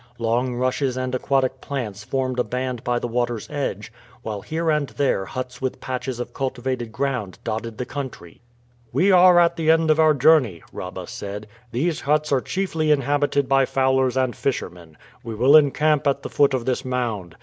Long rushes and aquatic plants formed a band by the water's edge, while here and there huts with patches of cultivated ground dotted the country. "We are at the end of our journey," Rabah said. "These huts are chiefly inhabited by fowlers and fishermen. We will encamp at the foot of this mound.